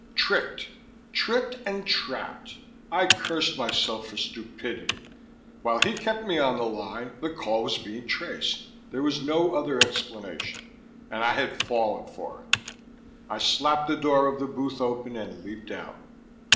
Tricked! Tricked and trapped! I cursed myself for stupidity. While he kept me on the line, the call was being traced there was no other explanation. And I had fallen for it! I slapped the door of the booth open and leaped out.